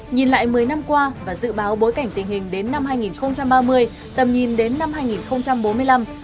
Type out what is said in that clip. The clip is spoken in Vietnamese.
nhìn lại một mươi năm qua và dự báo bối cảnh tình hình đến năm hai nghìn ba mươi tầm nhìn đến năm hai nghìn bốn mươi năm